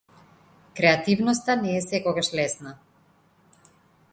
Креативноста не е секогаш лесна.